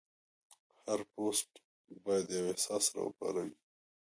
هر پوسټ باید یو احساس راوپاروي.